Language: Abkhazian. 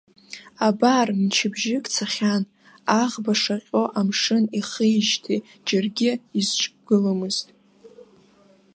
Абар мчыбжьык цахьан, аӷба шаҟьо амшын ихижьҭеи, џьаргьы изҿықәгыломызт.